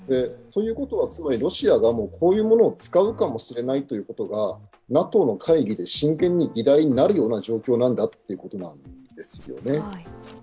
ということはつまりロシアがこういうものを使うかもしれないということがＮＡＴＯの会議で真剣に議題になるような状況なんだということなんですよね。